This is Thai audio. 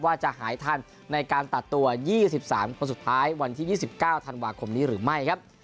ว่าจะหายทันในการตัดตัว๒๓คนสุดท้ายวันที่๒๙ธันวาคมนี้หรือไม่ครับ